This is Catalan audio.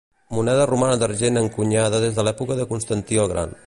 Moneda romana d'argent encunyada des de l'època de Constantí el Gran.